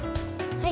はい。